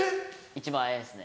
１万円ですね。